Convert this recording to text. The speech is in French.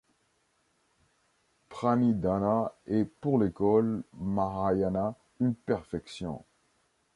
Pranidhana est pour l'école mahayana une perfection.